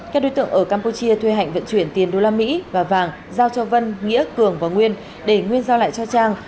các đối tượng ở campuchia thuê hạnh vận chuyển tiền đô la mỹ và vàng giao cho vân nghĩa cường và nguyên để nguyên giao lại cho trang